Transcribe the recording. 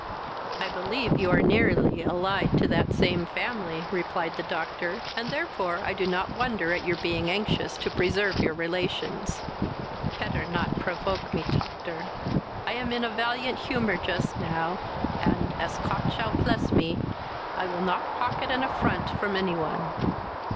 "I believe you are nearly allied to that same family, (replied the doctor,) and therefore I do not wonder at your being anxious to preserve your relations." "Petter not provoke me, toctor. I am in a valiant humour just now, and, as Cot shall pless me, I will not pocket an affront from any one."